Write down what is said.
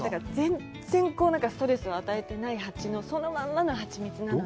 全然ストレスを与えてないハチのそのままのハチミツなので。